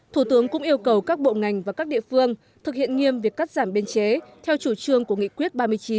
thủ tướng cũng yêu cầu các bộ ngành và các địa phương thực hiện nghiêm việc cắt giảm biên chế theo chủ trương của nghị quyết ba mươi chín